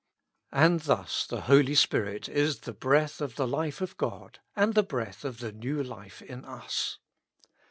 And thus the Holy Spirit is the breath of the life of God and the breath of the new life in us.